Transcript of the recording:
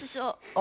あ！